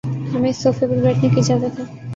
ہمیں اس صوفے پر بیٹھنے کی اجازت ہے